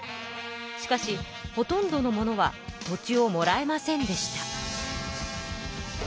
しかしほとんどの者は土地をもらえませんでした。